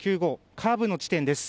カーブの地点です。